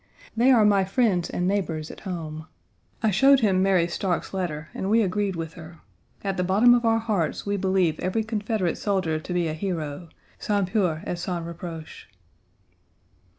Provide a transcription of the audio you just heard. They are my friends and neighbors at home. I showed him Mary Stark's letter, and we agreed with her. At the bottom of our hearts we believe every Confederate soldier to be a hero, sans peur et sans reproche.